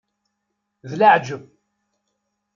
D leɛjeb!